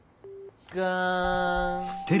ガーン！